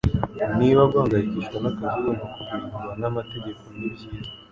niba guhangayikishwa n'akazi bigomba kugengwa n'amategeko nibyiza